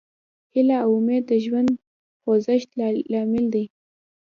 هیله او امید د ژوند د خوځښت لامل دی.